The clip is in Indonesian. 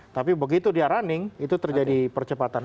tapi begitu dia running itu terjadi percepatan